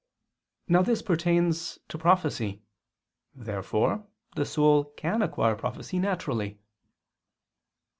Now this pertains to prophecy. Therefore the soul can acquire prophecy naturally.